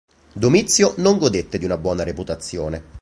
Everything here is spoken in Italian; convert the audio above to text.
Domizio non godette di una buona reputazione.